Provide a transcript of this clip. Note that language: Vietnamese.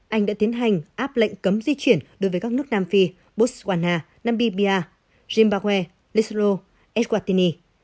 anh đã tiến hành áp lệnh cấm di chuyển đối với các nước nam phi botswana namibia zimbabwe lisle eswatini